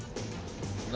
何？